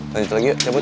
lanjut lagi yuk cabut